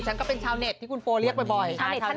ฉันก็เป็นชาวเน็ตที่คุณโฟเรียกบ่อย